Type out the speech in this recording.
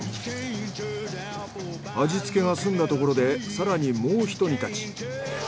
味付けが済んだところで更にもうひと煮立ち。